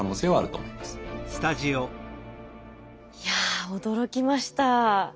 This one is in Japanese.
いや驚きました。